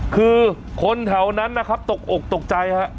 คือคนแถวนั้นนะครับตกอกตกใจฮะ